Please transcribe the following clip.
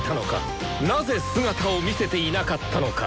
なぜ姿を見せていなかったのか？